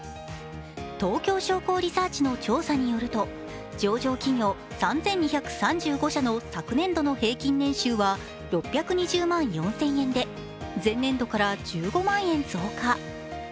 東京商工リサーチの調査によると上場企業３２３５社の昨年度の平均年収は６２０万４０００円で、前年度から１５万円増加。